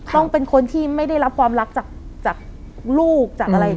ต้องเป็นคนที่ไม่ได้รับความรักจากลูกจากอะไร